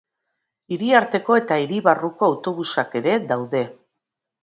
Hiriarteko eta hiri barruko autobusak ere daude.